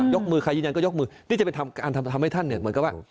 ยกมือใครยืนยันก็ยกมือนี่จะเป็นการทำให้ท่านเหมือนกับว่า